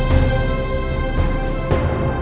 ที่สุดท้าย